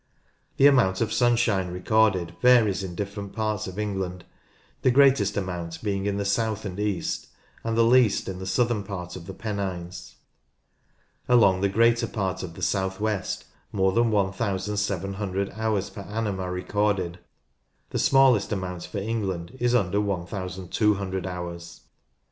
The amount of sunshine recorded varies in different parts of England, the greatest amount being in the south and east, and the least in the southern part of the Pennines. Along the greater part of the south west more than 1700 hours per annum are recorded. The smallest amount for England is under 1200 hours.